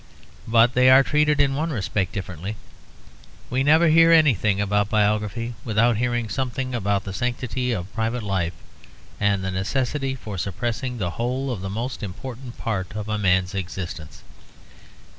But they are treated in one respect differently. We never hear anything about biography without hearing something about the sanctity of private life and the necessity for suppressing the whole of the most important part of a man's existence.